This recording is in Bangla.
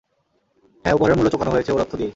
হ্যাঁ, উপহারের মূল্য চোকানো হয়েছে ওর অর্থ দিয়েই।